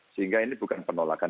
sehingga ini bukan penolakan